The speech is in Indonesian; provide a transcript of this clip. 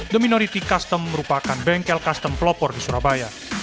the minority custom merupakan bengkel custom pelopor di surabaya